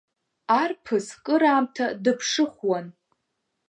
Арԥыс кыраамҭа дыԥшыхәуан.